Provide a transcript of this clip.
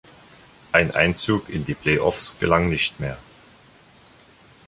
Ein Einzug in die Play-offs gelang nicht mehr.